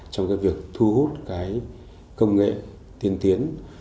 trong việc thu hút công nghệ tiên tiến